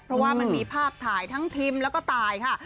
เพราะว่ามันมีภาพถ่ายทั้งทิมแล้วก็ตายค่ะ